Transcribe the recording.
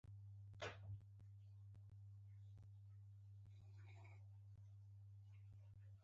دچنارهسکه فطرته الله هو، الله هو